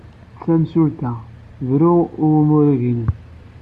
Tamsulta! Bru i umrig-nnem!